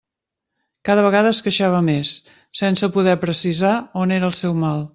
Cada vegada es queixava més, sense poder precisar on era el seu mal.